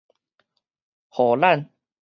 予咱